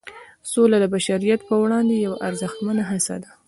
سوله د بشریت پر وړاندې یوه ارزښتمنه هڅه ده.